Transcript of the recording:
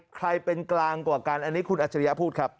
ใครเป็นกลางกว่ากันอันนี้คุณอัจฉริยะพูดครับ